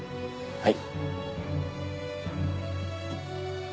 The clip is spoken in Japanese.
はい。